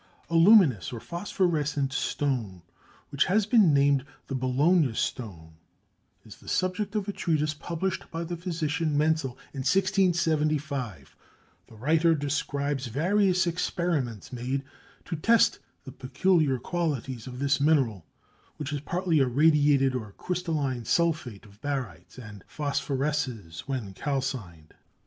A luminous or phosphorescent stone, which has been named the Bologna stone, is the subject of a treatise published by the physician Mentzel in 1675. The writer describes various experiments made to test the peculiar qualities of this mineral, which is partly a radiated or crystalline sulphate of barytes, and phosphoresces when calcined.